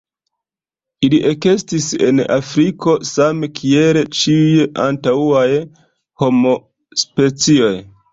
Ili ekestis en Afriko, same kiel ĉiuj antaŭaj homospecioj.